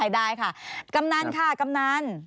ได้ค่ะกำนันค่ะกำนัน